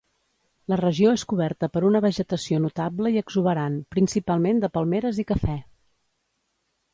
La regió és coberta per una vegetació notable i exuberant, principalment de palmeres i cafè.